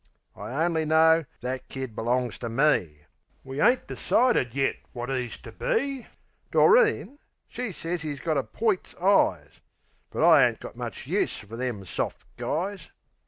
I only know that kid belongs to me! We ain't decided yet wot 'e's to be. Doreen, she sez 'e's got a poit's eyes; But I ain't got much use fer them soft guys.